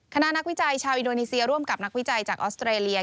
นักวิจัยชาวอินโดนีเซียร่วมกับนักวิจัยจากออสเตรเลีย